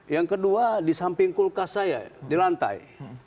yang kedua di samping kulkas saya di lantai